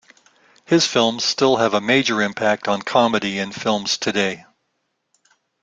His films still have a major impact on comedy in films today.